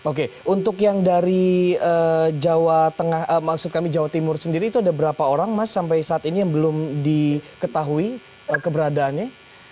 oke untuk yang dari jawa tengah maksud kami jawa timur sendiri itu ada berapa orang mas sampai saat ini yang belum diketahui keberadaannya